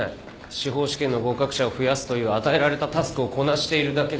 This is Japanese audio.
司法試験の合格者を増やすという与えられたタスクをこなしているだけです。